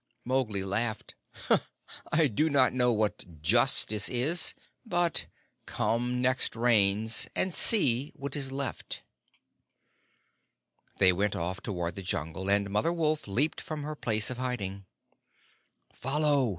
Mowgli laughed. "I do not know what justice is, but come next Rains and see what is left." They went off toward the Jungle, and Mother Wolf leaped from her place of hiding. "Follow!"